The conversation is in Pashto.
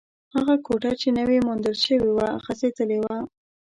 هغه کوټه چې نوې موندل شوې وه، غږېدلې وه.